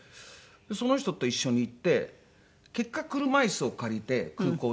その人と一緒に行って結果車椅子を借りて空港でも。